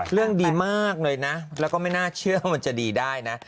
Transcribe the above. เรื่องดีมากเลยนะแล้วก็ไม่น่าเชื่อว่ามันจะดีได้นะ